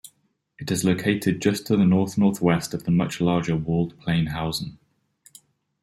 It is located just to the north-northwest of the much larger walled plain Hausen.